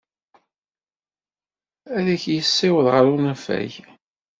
Ad k-yessiweḍ ɣer unafag.